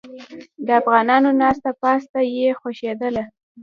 د افغانانو ناسته پاسته یې خوښیدله.